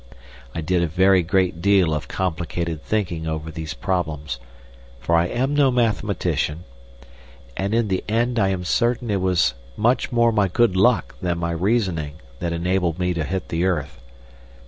I did a very great deal of complicated thinking over these problems—for I am no mathematician—and in the end I am certain it was much more my good luck than my reasoning that enabled me to hit the earth.